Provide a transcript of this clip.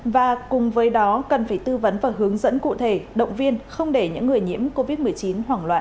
và cùng với đó cần phải tư vấn và hướng dẫn cụ thể động viên không để những người nhiễm covid một mươi chín hoảng loạn